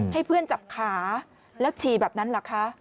ให้เพื่อนจับขาแล้วฉี่แบบนั้นเหรอคะ